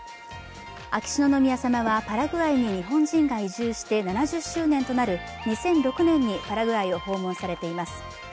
秋篠宮さまはパラグアイに日本人が移住して７０周年となる２００６年にパラぐらいを訪問されています。